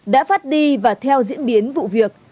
đã phát đi và theo diễn biến vụ việc